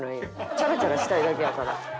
チャラチャラしたいだけやから。